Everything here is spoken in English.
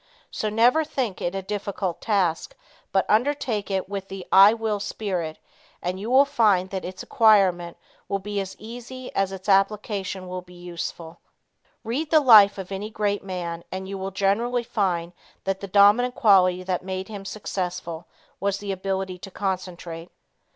So never think it a difficult task, but undertake it with the "I Will Spirit" and you will find that its acquirement will be as easy as its application will be useful. Read the life of any great man, and you will generally find that the dominant quality that made him successful was the ability to concentrate.